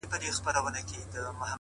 • نور دي نو شېخاني كيسې نه كوي،